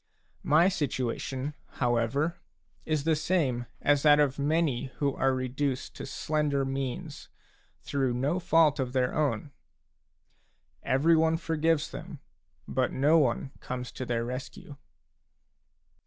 My situation, however, is the same as that of many who are reduced to slender means through no fault of their own : every one forgives them, but no one comes to their rescue.